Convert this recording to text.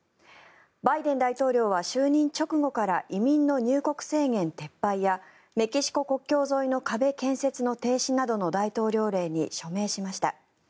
バイデン大統領は就任直後から移民の入国制限撤廃やメキシコ国境沿いの壁建設の停止などの大統領令に署名しました。